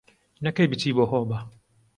نەکەی بچی بۆ هۆبە